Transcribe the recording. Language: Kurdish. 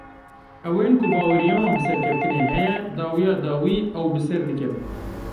Ew ên ku baweriya wan bi serkeftinê heye, dawiya dawî ew bi ser dikevin.